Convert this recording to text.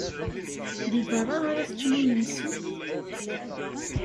Deg beṛṛa ara teččem imensi?